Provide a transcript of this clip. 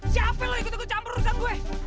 siapa lo ikut ikut campur urusan gue